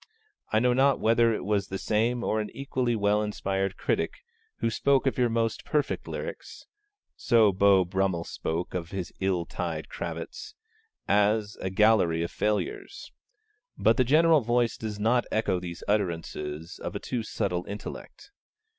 I know not whether it was the same or an equally well inspired critic, who spoke of your most perfect lyrics (so Beau Brummell spoke of his ill tied cravats) as 'a gallery of your failures.' But the general voice does not echo these utterances of a too subtle intellect.